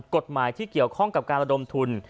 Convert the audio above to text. กฎหมายที่เกี่ยวข้องกับการระดมทุน